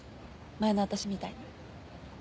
前の私みたいに。